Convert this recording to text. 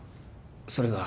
それが。